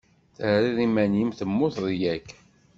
Terriḍ iman-im temmuteḍ yak?